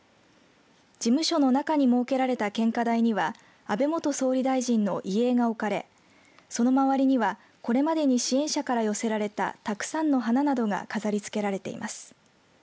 事務所の中に設けられた献花台には安倍元総理大臣の遺影が置かれその周りには、これまでに支援者から寄せられたたくさんの花などが飾りつけられています。